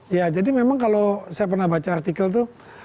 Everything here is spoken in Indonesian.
iya jadi memang kalau saya pernah baca artikel itu